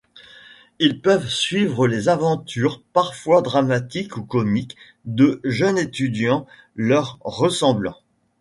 Ils peuvent suivre les aventures, parfois dramatiques ou comiques, de jeunes étudiants leur ressemblant.